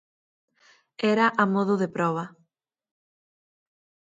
Era a modo de proba.